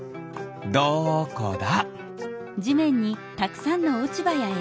どこだ？